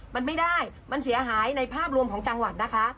มันไม่ได้มันเสียหายในภาพรวมของจังหวัดนะคะ